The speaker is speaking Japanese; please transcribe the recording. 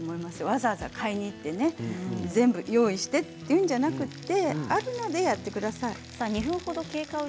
わざわざ買いに行ってね全部用意してというのではなくてあるものでやってください。